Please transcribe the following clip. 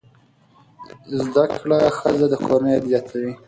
زده کړه ښځه د کورنۍ عاید زیاتوي.